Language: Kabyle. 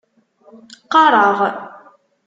Qqareɣ.